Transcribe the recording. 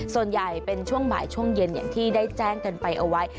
ส่วนใหญ่เป็นช่วงบ่ายช่วงเย็นอย่างที่ได้แจ้งกันไปเอาไว้